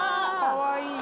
かわいい。